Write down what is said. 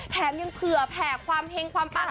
แถมยังเผื่อแผ่ความเฮงความปัง